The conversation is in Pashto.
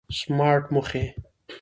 سمارټ موخې